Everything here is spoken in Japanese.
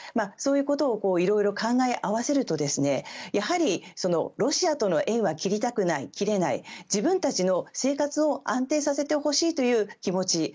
そういうことをいろいろ考え合わせるとやはりロシアとの縁は切りたくない、切れない自分たちの生活を安定させてほしいという気持ち。